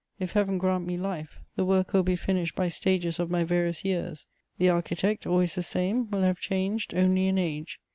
If Heaven grant me life, the work will be finished by stages of my various years; the architect, always the same, will have changed only in age.